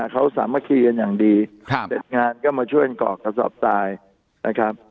เขาสามัคคีกันอย่างดีเสร็จงานก็มาช่วยกรอกกระสอบทรายนะครับ